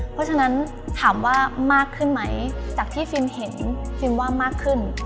เพราะฉะนั้นถามว่ามากขึ้นไหมจากที่ฟิล์มเห็นฟิล์มว่ามากขึ้น